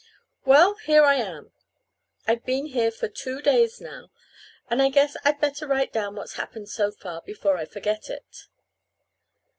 Well, here I am. I've been here two days now, and I guess I'd better write down what's happened so far, before I forget it.